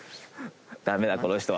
駄目だこの人は。